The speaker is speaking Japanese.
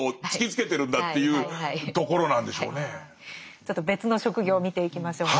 ちょっと別の職業を見ていきましょうか。